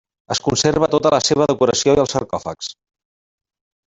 Es conserva tota la seva decoració i els sarcòfags.